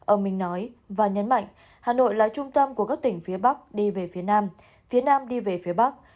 ông minh nói và nhấn mạnh hà nội là trung tâm của các tỉnh phía bắc đi về phía nam phía nam đi về phía bắc